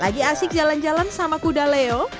lagi asik jalan jalan sama kuda leo